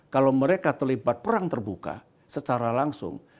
kalau mereka terlibat perang terbuka secara langsung